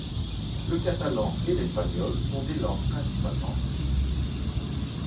Le catalan et l'espagnol sont des langues principalement utilisées.